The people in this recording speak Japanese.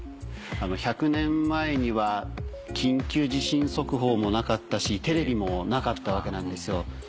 １００年前には緊急地震速報もなかったしテレビもなかったわけなんですよ。